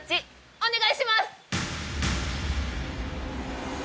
お願いします！